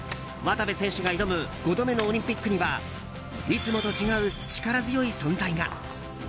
渡部選手が挑む５度目のオリンピックにはいつもと違う力強い存在が。